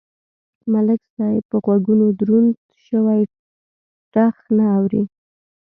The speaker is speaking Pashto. ملک صاحب په غوږونو دروند شوی ټخ نه اوري.